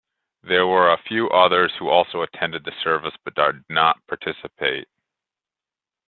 There were a few others who also attended the service but did not participate.